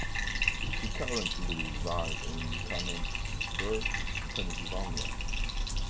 He currently resides in Canonsburg, Pennsylvania.